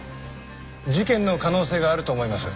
事件の可能性があると思います。